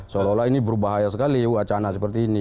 seolah olah ini berbahaya sekali wacana seperti ini